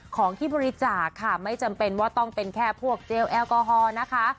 ของที่บริจาคค่ะไม่จำเป็นว่าต้องเป็นแค่พวกเจลแอลกอฮอล์นะคะ